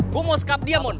gue mau skup dia mon